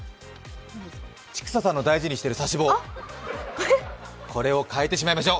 千種さんの大事にしている差し棒、これを代えてしまいましょう。